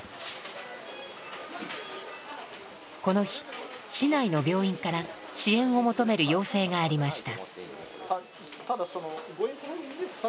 この日市内の病院から支援を求める要請がありました。